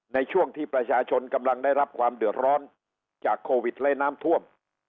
ในช่วงที่ประชาชนกำลังได้รับความเดือดร้อนจากโควิดและน้ำท่วม